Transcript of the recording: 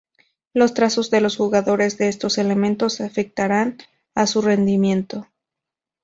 Los trazos de los jugadores de estos elementos afectarán a su rendimiento.